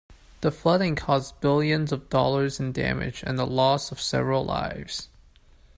The flooding caused billions of dollars in damage and the loss of several lives.